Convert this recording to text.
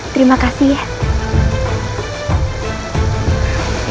terima kasih ya